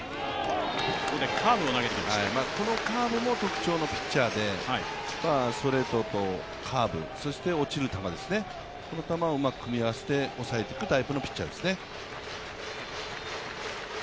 このカーブも特徴のピッチャーで、ストレートとカーブ、そして落ちる球ですね、この球をうまく組み合わせて抑えていくピッチャーですね。